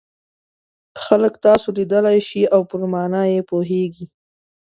خلک تاسو لیدلای شي او پر مانا یې پوهیږي.